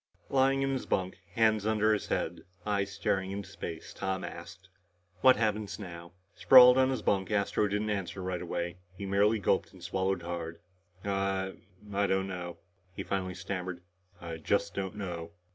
Lying in his bunk, hands under his head, eyes staring into space, Tom asked, "What happens now?" Sprawled on his bunk, Astro didn't answer right away. He merely gulped and swallowed hard. "I I don't know," he finally stammered. "I just don't know."